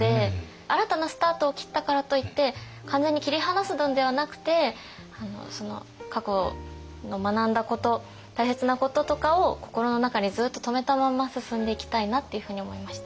新たなスタートを切ったからといって完全に切り離すのではなくて過去学んだこと大切なこととかを心の中にずっと留めたまんま進んでいきたいなっていうふうに思いました。